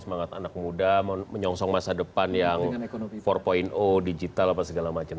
semangat anak muda menyongsong masa depan yang empat digital apa segala macam